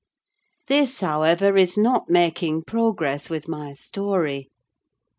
This, however, is not making progress with my story.